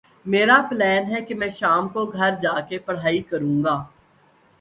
میرا پلین ہے کہ شام کو گھر جا کے میں پڑھائی کرو گا۔